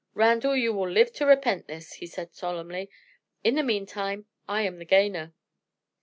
"Randal, you will live to repent this," he said solemnly. "In the meantime, I am the gainer."